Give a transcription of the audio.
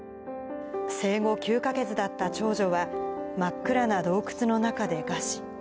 生後９か月だった長女は、真っ暗な洞窟の中で餓死。